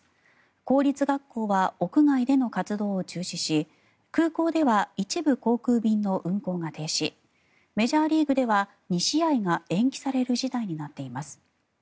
公立学校は屋外での活動を中止し空港では一部航空便の運航が停止メジャーリーグでは２試合が延期される事態になっています。